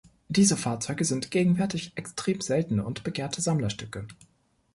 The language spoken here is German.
Diese Fahrzeuge sind gegenwärtig extrem seltene und begehrte Sammlerstücke.